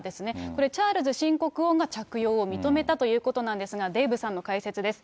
これ、チャールズ新国王が着用を認めたということなんですが、デーブさんの解説です。